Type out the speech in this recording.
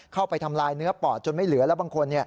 เข้าไปทำลายเนื้อปอดจนไม่เหลือแล้วบางคน